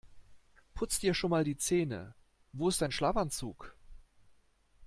Putz dir schon mal die Zähne. Wo ist dein Schlafanzug?